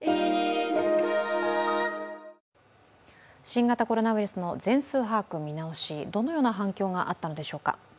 新型コロナウイルスの全数把握見直し、どのような反響があったのでしょうか。